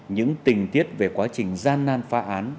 những tình tiết về quá trình gian nan phá án